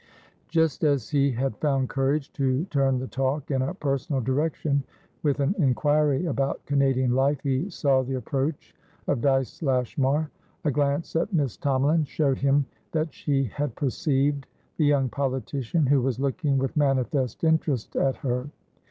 Just as he had found courage to turn the talk in a personal direction, with an inquiry about Canadian life, he saw the approach of Dyce Lashmar. A glance at Miss Tomalin showed him that she had perceived the young politician, who was looking with manifest interest at her.